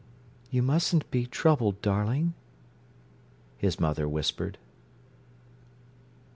"You mustn't be troubled, darling," his mother whispered.